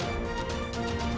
terima kasih bang arya